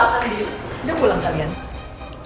oh andi udah pulang kalian